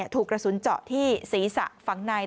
ถูกกระสุนเจาะที่ศีรษะฝั่งใน